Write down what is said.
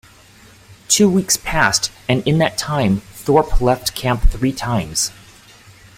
Two weeks passed, and in that time Thorpe left camp three times.